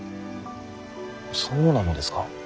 そうなのですか？